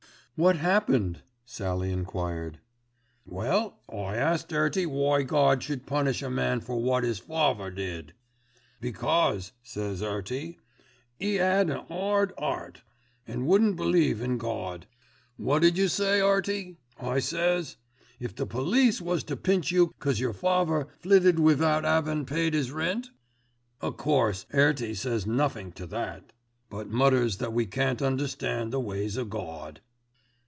"What happened?" Sallie enquired. "Well, I asked 'Earty why Gawd should punish a man for wot 'is father did." "'Because,' says 'Earty, ''e 'ad an 'ard 'eart, and wouldn't believe in Gawd.' "'Wot 'ud you say, 'Earty,' I says, 'if the police was to pinch you 'cause your father flitted without 'avin' paid 'is rent?' O' course 'Earty says nothink to that; but mutters that we can't understand the ways o' Gawd.